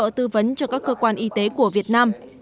tư vấn cho các cơ quan y tế của việt nam